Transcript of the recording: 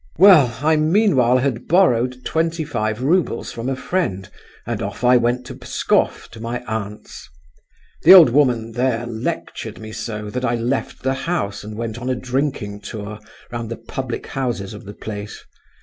Well, I meanwhile had borrowed twenty five roubles from a friend, and off I went to Pskoff to my aunt's. The old woman there lectured me so that I left the house and went on a drinking tour round the public houses of the place.